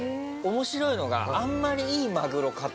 面白いのがあんまり。